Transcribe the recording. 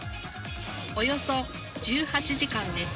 およそ１８時間です